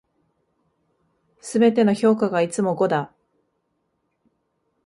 全ての評価がいつも五だ。